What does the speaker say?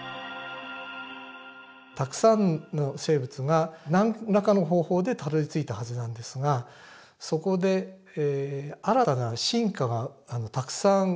たくさんの生物が何らかの方法でたどりついたはずなんですがそこで新たな進化がたくさん進むという事は分かってます。